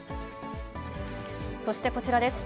そしてこちらです。